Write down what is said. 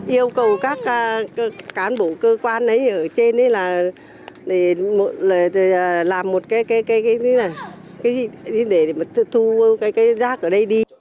yêu cầu các cán bộ cơ quan ở trên là